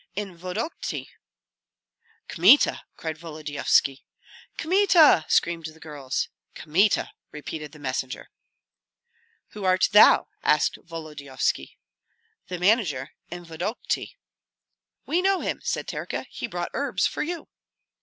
"In Vodokty." "Kmita!" cried Volodyovski. "Kmita!" screamed the girls. "Kmita!" repeated the messenger. "Who art thou?" asked Volodyovski. "The manager in Vodokty." "We know him," said Terka; "he brought herbs for you."